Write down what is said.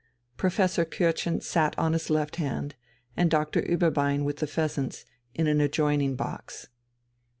Professor Kürtchen sat on his left hand and Doctor Ueberbein with the "Pheasants" in an adjoining box.